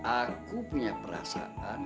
aku punya perasaan